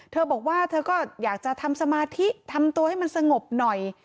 เธอบอกว่าเธอก็อยากจะทำสมาธิทำตัวให้มันสงบหน่อย